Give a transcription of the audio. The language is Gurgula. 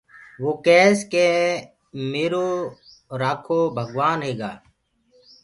وو ڪيس ڪي ميرو رکو ڀگوآن هيگآ۔